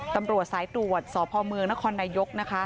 ตำรวจสายตรวจสพมนนายกนะคะ